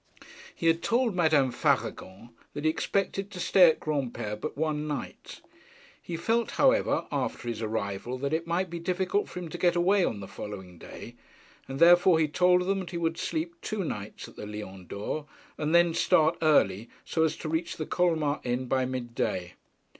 He had told Madame Faragon that he expected to stay at Granpere but one night. He felt, however, after his arrival that it might be difficult for him to get away on the following day, and therefore he told them that he would sleep two nights at the Lion d'Or, and then start early, so as to reach the Colmar inn by mid day.